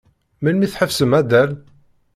Melmi i tḥebsem addal?